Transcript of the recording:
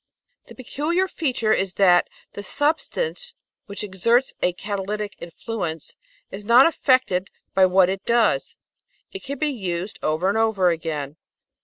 The peculiar feature is that the substance which exerts a catalytic influence is not affected by what it does ; it can be used over and over again.